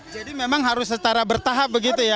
jadi memang harus secara bertahap begitu ya